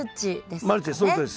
そのとおりです。